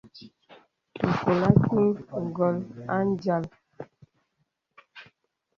Ǹkɔl àkìŋ ngɔn à nzàl.